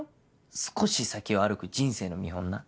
少し先を歩く人生の見本な。